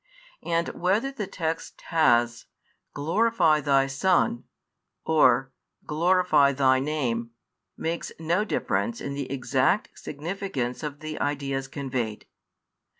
And whether the text has: Glorify Thy Son, or: Glorify Thy Name, makes no difference in the exact significance of the ideas conveyed.